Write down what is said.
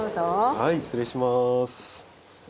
はい失礼します。